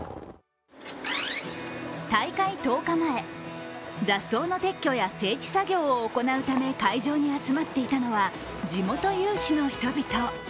大会１０日前、雑草の撤去や整地作業を行うため会場に集まっていたのは地元有志の人々。